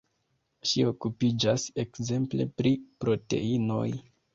Ŝi okupiĝas ekzemple pri proteinoj.